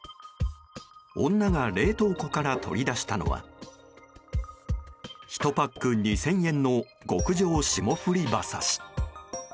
女が冷凍庫から取り出したのは１パック２０００円の極上霜降り馬刺し。